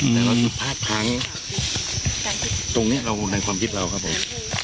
แต่เราจะพาดทางตรงนี้เราวงดังความคิดเราครับผม